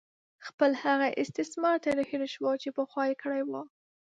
خپل هغه استثمار ترې هېر وو چې پخوا یې کړې وه.